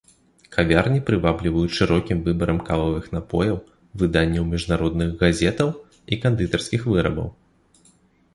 Кавярні прывабліваюць шырокім выбарам кававых напояў, выданняў міжнародных газетаў і кандытарскіх вырабаў.